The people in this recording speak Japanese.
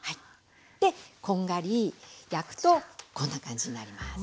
でこんがり焼くとこんな感じになります。